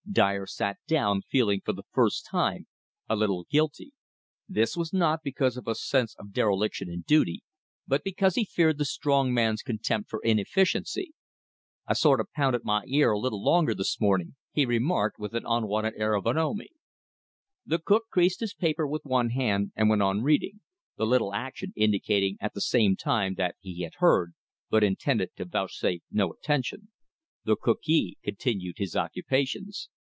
Dyer sat down, feeling, for the first time, a little guilty. This was not because of a sense of a dereliction in duty, but because he feared the strong man's contempt for inefficiency. "I sort of pounded my ear a little long this morning," he remarked with an unwonted air of bonhomie. The cook creased his paper with one hand and went on reading; the little action indicating at the same time that he had heard, but intended to vouchsafe no attention. The cookee continued his occupations.